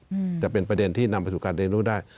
ก็จะเป็นที่นำไปสู่การเรียนรู้ได้